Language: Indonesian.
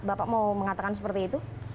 bapak mau mengatakan seperti itu